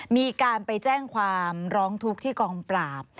มีการไปแจ้งความร้องทุกข์ที่กองปราบ